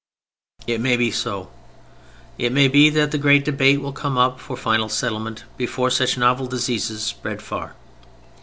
It may be so. It may be that the great debate will come up for final settlement before such novel diseases spread far.